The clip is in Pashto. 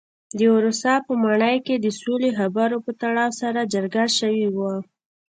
د ورسا په ماڼۍ کې د سولې خبرو په تړاو سره جرګه شوي وو.